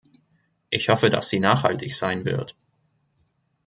Ich hoffe, dass sie nachhaltig sein wird.